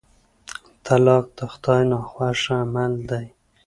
طلاق د خدای ناخوښه عمل دی.